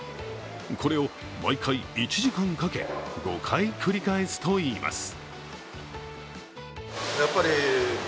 これを毎回１時間かけ、５回繰り返すといいます。